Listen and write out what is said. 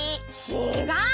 ちがう！